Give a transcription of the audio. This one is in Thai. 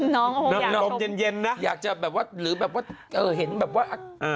น้องผมอยากลมเย็นเย็นน่ะอยากจะแบบว่าหรือแบบว่าเออเห็นแบบว่า